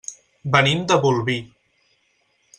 Venim de Bolvir.